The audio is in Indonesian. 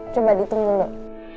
coba ditunggu dulu